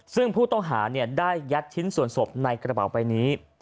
ซึ่งผู้ต้องหาได้ยัดชิ้นส่วนศพในกระเป๋าใบนี้